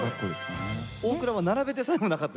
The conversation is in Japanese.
大倉は並べてさえもなかった？